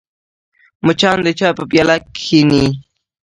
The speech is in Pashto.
مچان د چای په پیاله کښېني